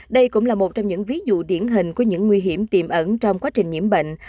đây cũng là một trong những ví dụ điển hình của những nguy hiểm tiềm ẩn trong quá trình nhiễm bệnh